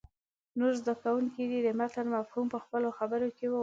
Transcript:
نور زده کوونکي دې د متن مفهوم په خپلو خبرو کې ووایي.